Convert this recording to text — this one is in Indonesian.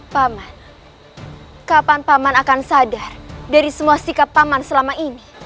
paman kapan paman akan sadar dari semua sikap paman selama ini